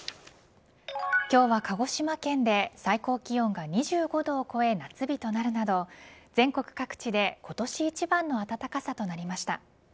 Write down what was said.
今日は鹿児島県で最高気温が２５度を超え夏日となるなど全国各地で今年一番の暖かさとなりました。